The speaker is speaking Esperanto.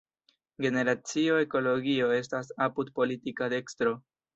Generacio Ekologio estas apud politika dekstro.